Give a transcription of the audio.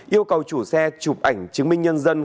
yêu cầu chủ xe chụp ảnh chứng minh nhân dân